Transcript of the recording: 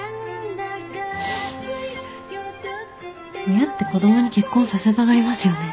親って子どもに結婚させたがりますよね。